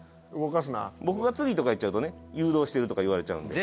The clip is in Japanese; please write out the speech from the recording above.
僕が「次」とか言っちゃうとね「誘導してる」とか言われちゃうんで。